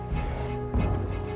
aku harus melayanginya dengan baik